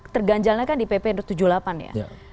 terganjalnya kan di pp tujuh puluh delapan ya